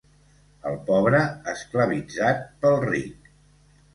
El pobre esclavitzat pel ric